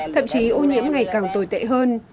thậm chí ô nhiễm ngày càng tồi tệ hơn